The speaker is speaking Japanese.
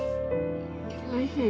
おいしい。